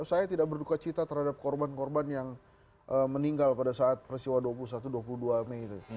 saya tidak berduka cita terhadap korban korban yang meninggal pada saat peristiwa dua puluh satu dua puluh dua mei itu